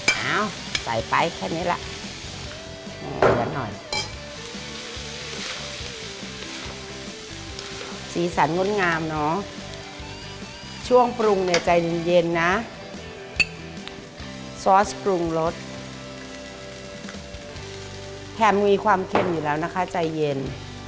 เอาใส่ไปแค่นี้ล่ะสีสันงดงามเนาะช่วงปรุงในใจเย็นนะซอสปรุงรสแถมมีความเค็มอยู่แล้วนะคะใจเย็น